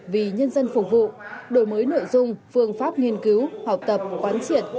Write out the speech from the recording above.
vì nhân dân phục vụ đổi mới nội dung phương pháp nghiên cứu học tập quán triệt